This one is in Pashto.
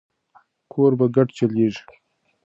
کور په ګډه چلیږي.